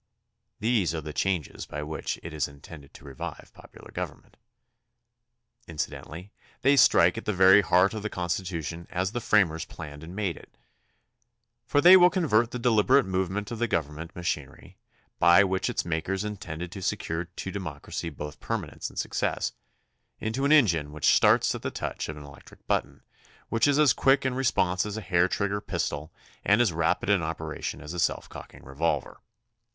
These are the changes by which it is intended to revive popular government. Incidentally they strike at the very heart of the Constitution as the framers planned and made it, for they will convert the deliberate move ment of the governmental machinery, by which its makers intended to secure to democracy both perma nence and success, into an engine which starts at the touch of an electric button, which is as quick in re sponse as a hair trigger pistol and as rapid in operation as a self cocking revolver.